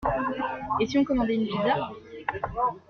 Et si on commandait une pizza?